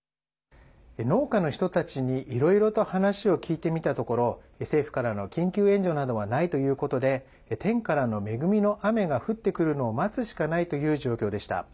農家の人たちにいろいろと話を聞いてみたところ政府からの緊急援助などはないということで天からの恵みの雨が降ってくるのを待つしかないという状況でした。